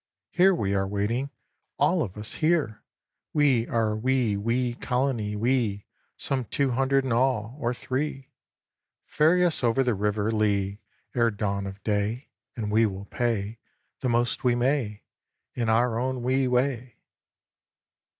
Here we are waiting, all of us here! We are a wee, wee colony, we; Some two hundred in all, or three. Ferry us over the river Lee Ere dawn of day, And we will pay The most we may, In our own wee way!"